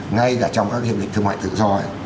ngay cả trong các hiệp định thương mại tự do